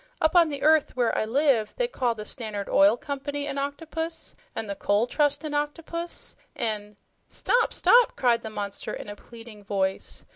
"Up on the earth, where I live, we call the Stannerd Oil Company an octopus, an' the Coal Trust an octopus, an' " "Stop, stop!" cried the monster in a pleading voice.